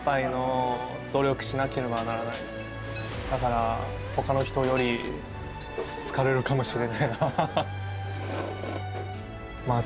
だからほかの人より疲れるかもしれない。